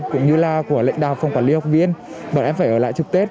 cũng như là của lệnh đào phòng quản lý học viên bọn em phải ở lại chụp tết